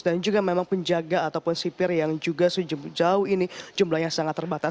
dan juga memang penjaga ataupun sipir yang juga sejauh ini jumlahnya sangat terbatas